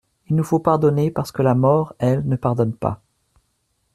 Il nous faut pardonner, parce que la mort, elle, ne pardonne pas.